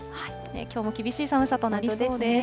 きょうも厳しい寒さとなりそうですね。